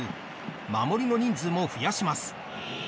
守りの人数も増やします。